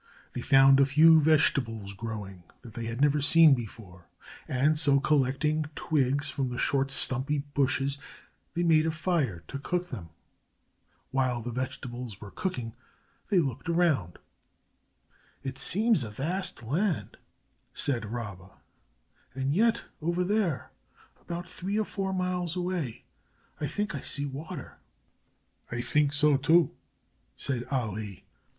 They found a few vegetables growing that they had never seen before, and so, collecting twigs from the short, stumpy bushes, they made a fire to cook them. While the vegetables were cooking they looked around. "It seems a vast land," said Rabba, "and yet over there, about three or four miles away, I think I see water." "I think so, too," said Ali.